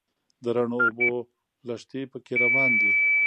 د رڼو اوبو لښتي په کې روان دي.